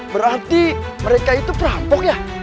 berarti mereka itu perampok ya